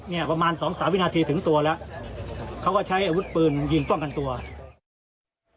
ประมาณสองสามวินาทีถึงตัวแล้วเขาก็ใช้อาวุธปืนยิงป้องกันตัวนะครับ